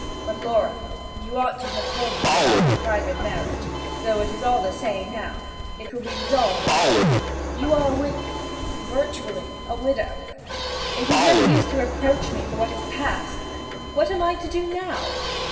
But, Laura, you ought to have told me about that private marriage, though it is all the same now; it will be dissolved, of course. You are a wid virtually a widow.' 'It is no use to reproach me for what is past. What am I to do now?'